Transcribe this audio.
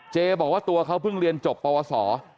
บอกว่าตัวเขาเพิ่งเรียนจบปวสอ